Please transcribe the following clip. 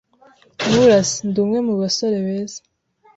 Nturase. Ndi umwe mu basore beza.